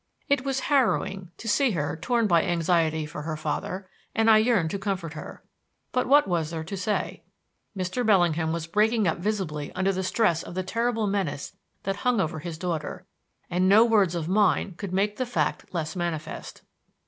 It was harrowing to see her torn by anxiety for her father, and I yearned to comfort her. But what was there to say? Mr. Bellingham was breaking up visibly under the stress of the terrible menace that hung over his daughter, and no words of mine could make the fact less manifest.